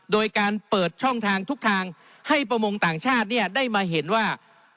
โดยการเปิดช่องทางทุกทางให้ประมงต่างชาติเนี่ยได้มาเห็นว่า